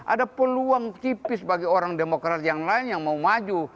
ada peluang tipis bagi orang demokrat yang lain yang mau maju